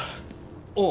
ああ。